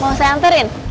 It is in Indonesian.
mau saya anterin